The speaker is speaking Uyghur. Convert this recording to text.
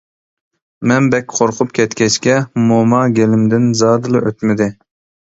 مەن بەك قورقۇپ كەتكەچكە موما گېلىمدىن زادىلا ئۆتمىدى.